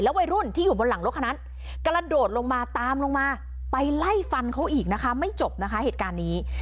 วัยรุ่นที่อยู่บนหลังรถคนนั้นกระโดดลงมาตามลงมาไปไล่ฟันเขาอีกนะคะไม่จบนะคะเหตุการณ์นี้